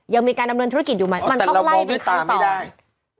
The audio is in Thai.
ยังมีการดำเนินธุรกิจอยู่ไหมอ่าแต่เรามองด้วยขั้นตอนมันต้องไล่ไว้ทางตอน